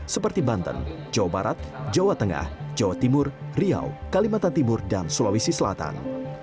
seperti banten jawa barat jawa tengah jawa timur riau kalimantan timur dan sulawesi selatan